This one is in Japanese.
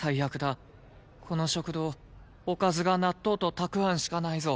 この食堂おかずが納豆とたくあんしかないぞ。